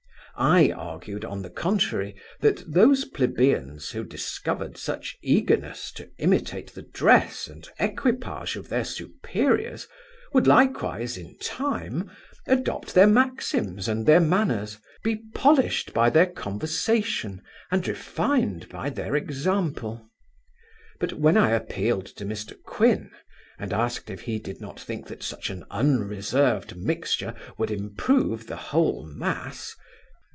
I argued, on the contrary, that those plebeians who discovered such eagerness to imitate the dress and equipage of their superiors, would likewise, in time, adopt their maxims and their manners, be polished by their conversation, and refined by their example; but when I appealed to Mr Quin, and asked if he did not think that such an unreserved mixture would improve the whole mass?